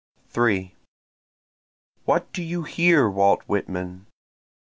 3 What do you hear Walt Whitman?